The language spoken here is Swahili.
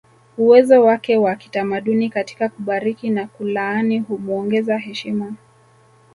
Uwezo wake wa kitamaduni katika kubariki na kulaani humuongeza heshima